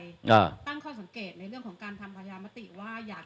อ่าตั้งข้อสังเกตในเรื่องของการทำประชามติว่าอยาก